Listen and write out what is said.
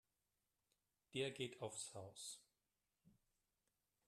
Der geht aufs Haus.